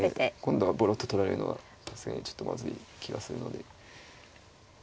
今度はぼろっと取られるのがさすがにちょっとまずい気がするのでうん。